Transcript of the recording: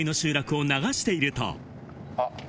あっ。